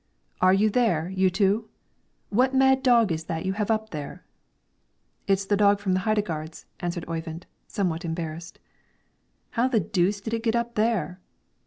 "Are you there, you two? What mad dog is that you have up there?" "It is the dog from the Heidegards," answered Oyvind, somewhat embarrassed. "How the deuce did it get up there?"